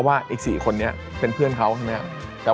ไม่มีปัญหาโอเค